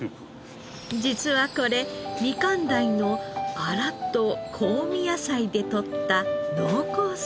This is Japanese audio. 実はこれみかん鯛のアラと香味野菜でとった濃厚スープ。